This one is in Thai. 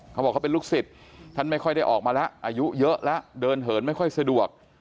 เขาบอกเขาเป็นลูกศิษย์ท่านไม่ค่อยได้ออกมาแล้วอายุเยอะแล้วเดินเหินไม่ค่อยสะดวก